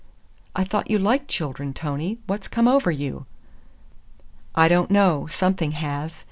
"I thought you liked children. Tony, what's come over you?" "I don't know, something has."